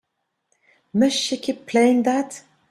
Must she keep playing that?